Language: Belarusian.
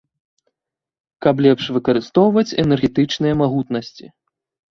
Каб лепш выкарыстоўваць энергетычныя магутнасці.